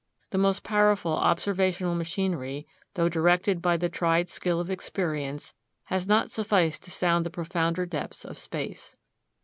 The most powerful observational machinery, though directed by the tried skill of experience, has not sufficed to sound the profounder depths of space.